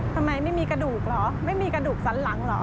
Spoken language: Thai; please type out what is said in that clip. ทำไมไม่มีกระดูกเหรอไม่มีกระดูกสันหลังเหรอ